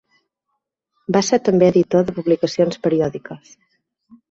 Va ser també editor de publicacions periòdiques.